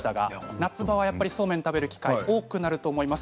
夏場はそうめんを食べる機会が多くなると思います。